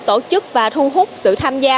tổ chức và thu hút sự tham gia